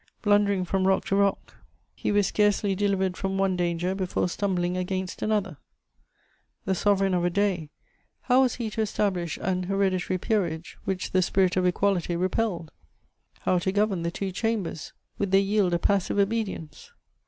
Blundering from rock to rock, he was scarcely delivered from one danger before stumbling against another: the sovereign of a day, how was he to establish an hereditary peerage which the spirit of equality repelled? How to govern the two Chambers? Would they yield a passive obedience?